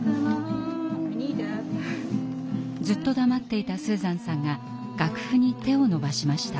ずっと黙っていたスーザンさんが楽譜に手を伸ばしました。